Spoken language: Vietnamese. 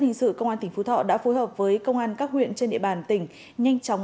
hình sự công an tỉnh phú thọ đã phối hợp với công an các huyện trên địa bàn tỉnh nhanh chóng